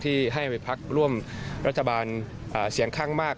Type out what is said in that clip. ที่ให้พักร่วมรัฐบาลเสียงข้างมาก